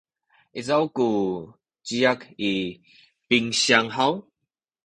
izaw ku ciyak i pinsiyang haw?